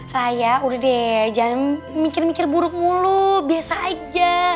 saya udah deh jangan mikir mikir buruk mulu biasa aja